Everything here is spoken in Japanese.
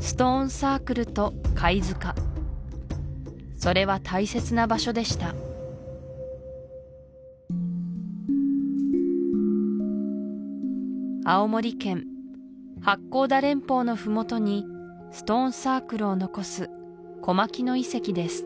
ストーン・サークルと貝塚それは大切な場所でした青森県八甲田連峰のふもとにストーン・サークルを残す小牧野遺跡です